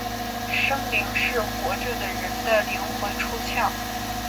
生灵是活着的人的灵魂出窍。